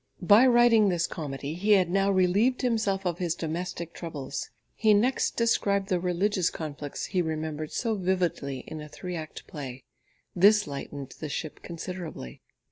By writing this comedy, he had now relieved himself of his domestic troubles. He next described the religious conflicts he remembered so vividly in a three act play. This lightened the ship considerably.